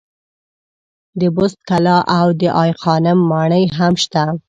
د بست کلا او دای خانم ماڼۍ هم شته.